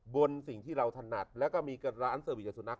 บนสิ่งที่เราถนัดแล้วก็มีร้านเซอร์วิสกับสุนัข